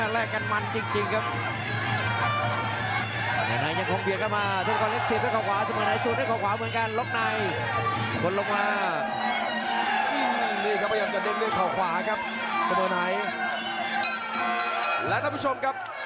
และน้องผู้ชมครับรบ๕ยกเรียบร้อยแล้วกับ